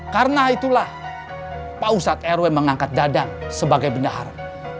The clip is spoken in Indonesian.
karena itulah pausat eroi mengangkat dada sebagai bendahara